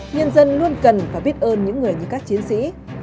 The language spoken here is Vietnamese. nhân dân luôn cần và biết ơn những người như các chiến sĩ